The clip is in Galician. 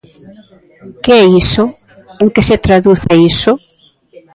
¿Que é iso?, ¿en que se traduce iso?